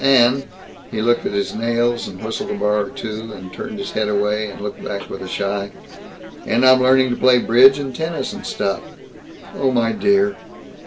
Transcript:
And " He looked at his nails, and whistled a bar or two, and turned his head away, and looked back with a shy, "And I'm learning to play bridge and tennis and stuff!" "Oh, my dear!"